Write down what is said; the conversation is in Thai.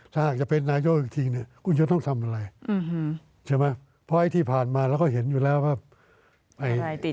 ถ้าหากจะเป็นนายกอีกทีเนี่ยคุณจะต้องทำอะไรใช่ไหมเพราะไอ้ที่ผ่านมาเราก็เห็นอยู่แล้วว่า